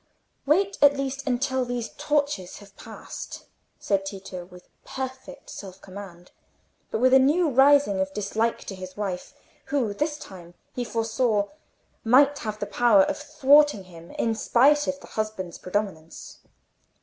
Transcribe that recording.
"Wait, at least, until these torches have passed," said Tito, with perfect self command, but with a new rising of dislike to a wife who this time, he foresaw, might have the power of thwarting him in spite of the husband's predominance.